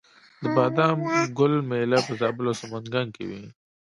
د بادام ګل میله په زابل او سمنګان کې وي.